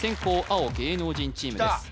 青芸能人チームです